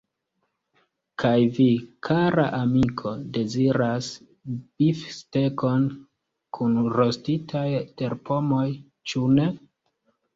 Kaj vi, kara amiko, deziras bifstekon kun rostitaj terpomoj, ĉu ne?